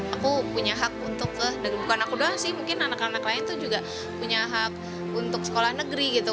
aku punya hak untuk bukan aku doang sih mungkin anak anak lain tuh juga punya hak untuk sekolah negeri gitu